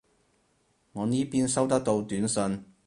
我呢邊收得到短信